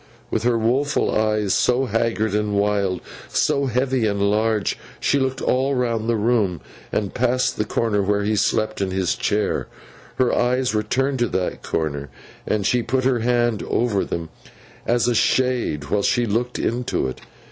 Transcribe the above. With her woful eyes, so haggard and wild, so heavy and large, she looked all round the room, and passed the corner where he slept in his chair. Her eyes returned to that corner, and she put her hand over them as a shade, while she looked into it.